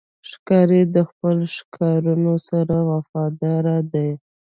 ښکاري د خپلو ښکارونو سره وفادار دی.